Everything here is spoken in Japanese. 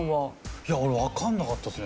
いや俺わからなかったですね。